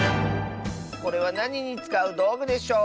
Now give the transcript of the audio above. これはなににつかうどうぐでしょう？